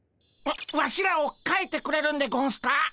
ワワシらをかいてくれるんでゴンスか？